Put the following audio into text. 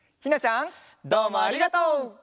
どうもありがとう。